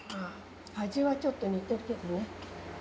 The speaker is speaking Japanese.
味はちょっと似てるけどね。